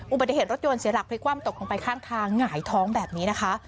อุบัติเหตุรถยนต์เสียหลักพลิกความตกลงไปข้างทางหงายท้องแบบนี้นะคะ